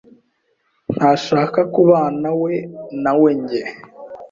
ntashaka kubanawe nawenjye.